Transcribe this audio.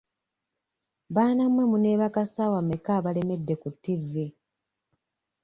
Baana mmwe muneebaka ssaawa mmeka abalemedde ku tivi?